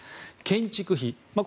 建築費